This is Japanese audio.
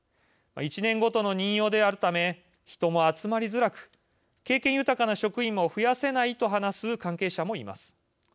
１年ごとの任用であるため人も集まりづらく経験豊かな職員も増やせないと話す関係者もいます。